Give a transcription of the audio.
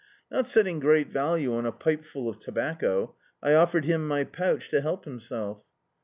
Not setting great value on a pipeful of tobacco, I offered him my pouch to help himself.